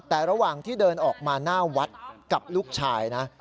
แต่ระหว่างที่เดินออกมาหน้าวัดกับลูกชายนะ